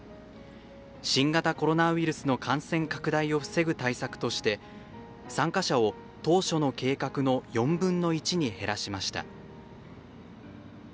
新型コロナウイルスの感染拡大を防ぐ対策として参加者を当初の計画の４分の１に減らしました。